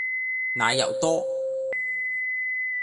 奶油多